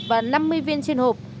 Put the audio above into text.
và năm mươi viên trên hộp